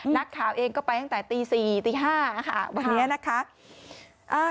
นักข่าวเองก็ไปตั้งแต่ตี๔ตี๕ค่ะวันนี้นะคะ